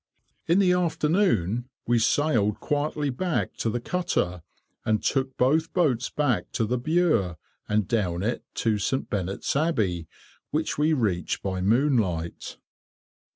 In the afternoon we sailed quietly back to the cutter, and took both boats back to the Bure, and down it to St. Benet's Abbey, which we reached by moonlight.